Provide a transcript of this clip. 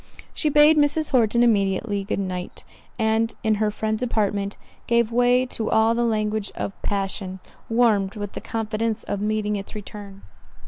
She bade Mrs. Horton immediately good night; and, in her friend's apartment, gave way to all the language of passion, warmed with the confidence of meeting its return.